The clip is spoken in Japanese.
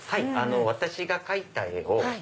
私が描いた絵を。